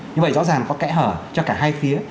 như vậy rõ ràng có kẽ hở cho cả hai phía